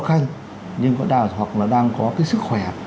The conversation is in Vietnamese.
khăn hoặc là đang có cái sức khỏe